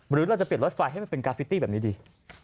หรือเราจะเปลี่ยนรถไฟให้มันเป็นกาฟิตี้แบบนี้ดี